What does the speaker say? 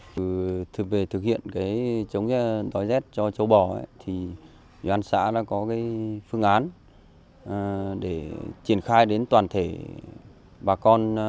vừa về thực hiện chống đói rét cho châu bò thì doanh xã đã có phương án để triển khai đến toàn thể bà con